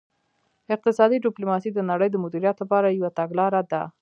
اقتصادي ډیپلوماسي د نړۍ د مدیریت لپاره یوه تګلاره ده